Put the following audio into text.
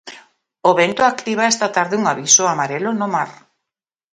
O vento activa esta tarde un aviso amarelo no mar.